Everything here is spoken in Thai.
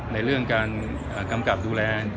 ในเรื่องการกำกับดูแล